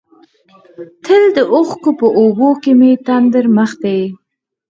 تل د اوښکو په اوبو کې مې تندر مخ دی.